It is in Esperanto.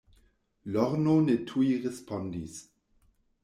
Lorno ne tuj respondis.